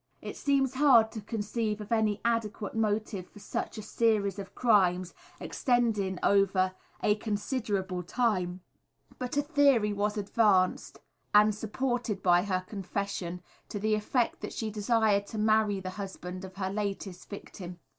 It seems hard to conceive of any adequate motive for such a series of crimes, extending over a considerable time, but a theory was advanced, and supported by her confession, to the effect that she desired to marry the husband of her latest victim.